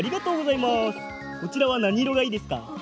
こちらはなにいろがいいですか？